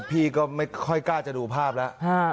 พี่ก็ไม่ค่อยกล้าจะดูภาพแล้ว